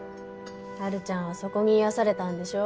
春ちゃんはそこに癒やされたんでしょ。